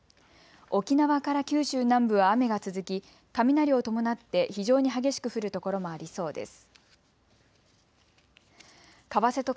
沖縄から九州南部は雨が続き雷を伴って非常に激しく降る所もありそうです。